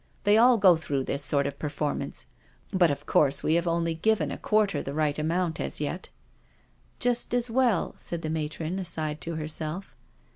" They all go through this sort of per formance—but, of course, we have only given a quarter the right amount as yet.'* " Just as well," said the matron, aside, to herself.